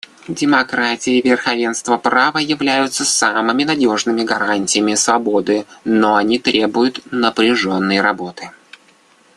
Демократия и верховенство права являются самыми надежными гарантиями свободы, но они требуют напряженной работы.